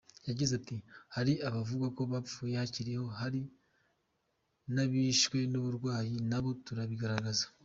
Yagize ati “Hari abavugwa ko bapfuye bakiriho, hari n’abishwe n’uburwayi nabyo turabigaragaza.